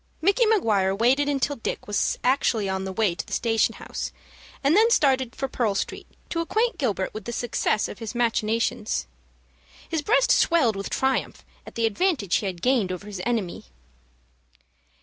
Micky Maguire waited until Dick was actually on the way to the station house, and then started for Pearl Street to acquaint Gilbert with the success of his machinations. His breast swelled with triumph at the advantage he had gained over his enemy.